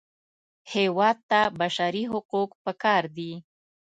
هېواد ته بشري حقوق پکار دي